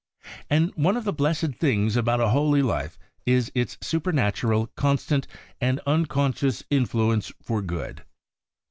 And one of the blessed things about a holy life is its supernatural, constant, and unconscious influence for good.